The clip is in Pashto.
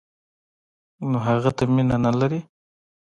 نو هغه ته مینه نه لري.